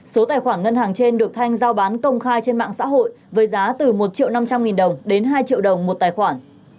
số tài khoản ngân hàng trên được thanh giao bán công khai trên mạng xã hội với giá từ một triệu năm trăm linh nghìn đồng đến hai triệu đồng một tài khoản